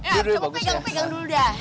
ya coba pegang pegang dulu dah